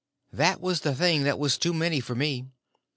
That was the thing that was too many for me.